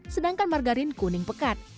sedangkan margarin kuning pekat